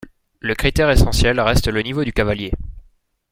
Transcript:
Le critère essentiel reste le niveau du cavalier.